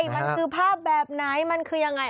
มันคือภาพแบบไหนมันคือยังไง